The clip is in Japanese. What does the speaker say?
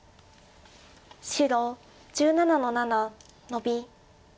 白１７の七ノビ。